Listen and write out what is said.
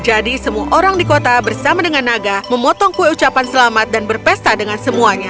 jadi semua orang di kota bersama dengan naga memotong kue ucapan selamat dan berpesta dengan semuanya